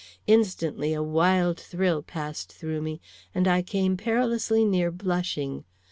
Instantly a wild thrill passed through me, and I came perilously near blushing.